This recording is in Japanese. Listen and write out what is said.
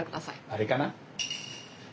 あれかな？